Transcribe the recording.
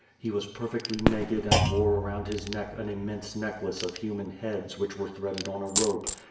He was perfectly naked and wore around his neck an immense necklace of human heads which were threaded on a rope.